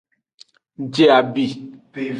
Je abi.